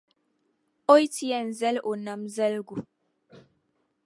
O yi ti yɛn zali o nam zaligu.